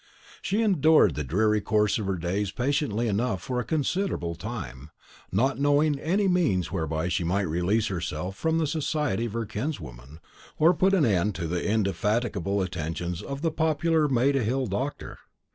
She endured the dreary course of her days patiently enough for a considerable time, not knowing any means whereby she might release herself from the society of her kinswoman, or put an end to the indefatigable attentions of the popular Maida Hill doctor.